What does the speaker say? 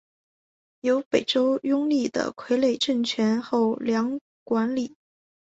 由北周拥立的傀儡政权后梁管理。